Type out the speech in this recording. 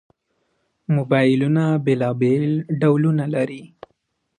موبایلونه بېلابېل ډولونه لري.